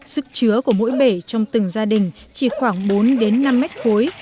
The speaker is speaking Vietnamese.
sức chứa của mỗi bể trong từng gia đình chỉ khoảng bốn đến năm mét khối